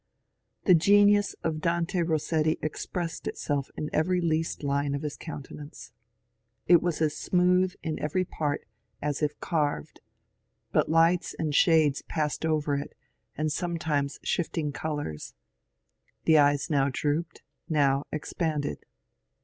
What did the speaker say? Tbe genius of Dante Rossetti expressed itself in every least line of bis countenance. It was as smooth in every part as if carved, but lights and shades passed over it and sometimes shifting colours ; tbe eyes now drooped, now expanded.